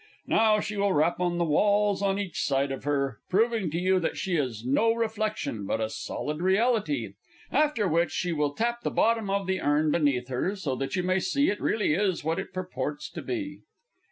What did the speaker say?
Now she will rap on the walls on each side of her, proving to you that she is no reflection, but a solid reality, after which she will tap the bottom of the urn beneath her so that you may see it really is what it purports to be.